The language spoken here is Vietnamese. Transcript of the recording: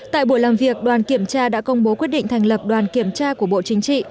tại buổi làm việc đoàn kiểm tra đã công bố quyết định thành lập đoàn kiểm tra của bộ chính trị